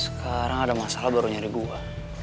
sekarang ada masalah baru nyari dua